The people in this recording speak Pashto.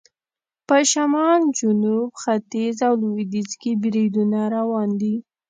په شمال، جنوب، ختیځ او لویدیځ کې بریدونه روان دي.